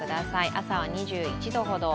朝は２１度ほど。